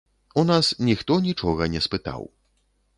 У нас ніхто нічога не спытаў.